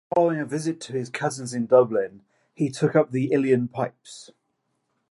Following a visit to his cousins in Dublin he took up uilleann pipes.